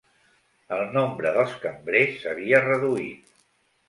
El nombre dels cambrers s'havia reduït